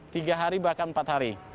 tiga hari bahkan empat hari